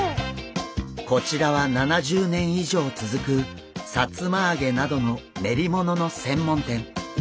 こちらは７０年以上続くさつま揚げなどの練り物の専門店。